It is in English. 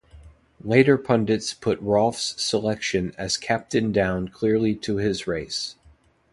Later pundits put Rolph's selection as captain down clearly to his race.